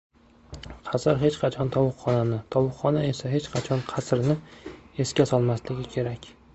Qasr hech qachon tovuqxonani, tovuqxona esa hech qachon qasrni esga solmasligi kerak.